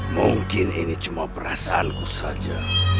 mungkin ini cuma perasaanku saja